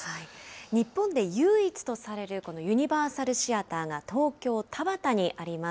日本で唯一とされるこのユニバーサルシアターが東京・田端にあります。